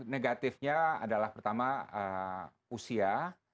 negatifnya adalah pertama usia